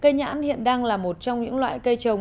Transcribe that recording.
cây nhãn hiện đang là một trong những loại cây trồng